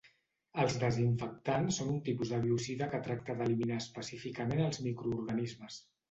Els desinfectants són un tipus de biocida que tracta d'eliminar específicament els microorganismes.